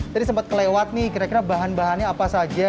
tadi sempat kelewat nih kira kira bahan bahannya apa saja